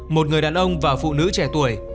một người đàn ông và phụ nữ trẻ tuổi